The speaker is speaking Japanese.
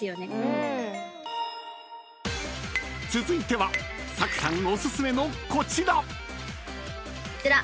［続いてはサクさんお薦めのこちら］